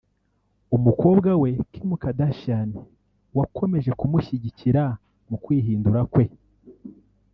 umukobwa we Kim Kardashian wakomeje kumushyigikira mu kwihindura kwe